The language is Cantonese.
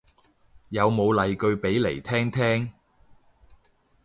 有冇例句俾嚟聽聽